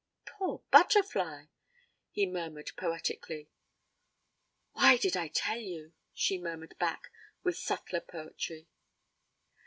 'Poor butterfly!' he murmured poetically. 'Why did I tell you?' she murmured back with subtler poetry.